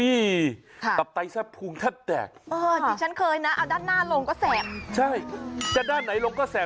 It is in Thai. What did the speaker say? เออจริงฉันเคยนะเอาด้านหน้าลงก็แสบ